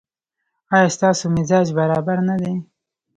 ایا ستاسو مزاج برابر نه دی؟